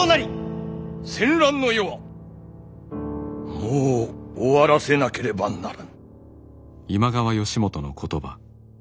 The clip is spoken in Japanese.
戦乱の世はもう終わらせなければならぬ。